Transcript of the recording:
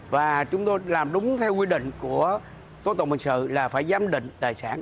và chúng tôi làm đúng theo quy định của tổ tổng bình sự là phải giám định tài sản